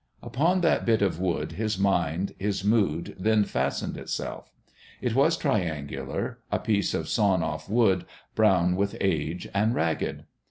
Upon that bit of wood his mind, his mood, then fastened itself. It was triangular, a piece of sawn off wood, brown with age and ragged.